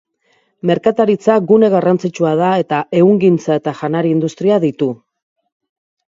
Merkataritza gune garrantzitsua da eta Ehungintza eta janari industria ditu.